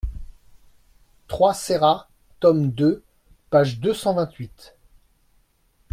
trois Serra, tome deux, page deux cent vingt-huit.